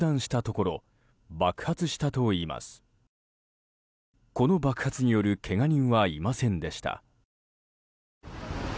この爆発によるけが人はいませんでした。